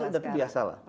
sudah terbiasa lah